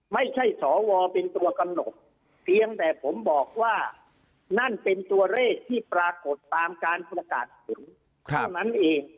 ไม่ใช่สวเป็นตัวกำหนดเพียงแต่ผมบอกว่านั่นเป็นตัวเลขที่ปรากฏตามการประกาศผลเท่านั้นเอง